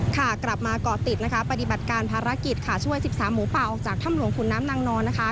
ค่ะกลับมาเกาะติดนะคะปฏิบัติการภารกิจค่ะช่วย๑๓หมูป่าออกจากถ้ำหลวงขุนน้ำนางนอนนะคะ